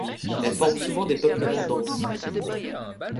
Elles forment souvent des peuplements denses.